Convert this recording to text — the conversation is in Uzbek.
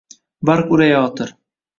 Barq urayotir.